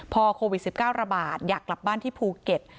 พอโควิด๑๙ระบาดอยากกลับบ้านที่ภูเก็ต